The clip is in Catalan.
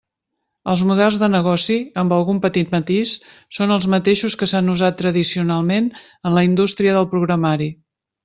Els models de negoci, amb algun petit matís, són els mateixos que s'han usat tradicionalment en la indústria del programari.